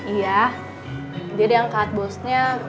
iya dia diangkat bosnya